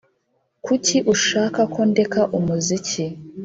Kuki ushaka ko ndeka umuziki